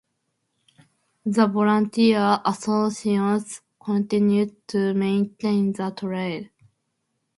The volunteer association continues to maintain the trail.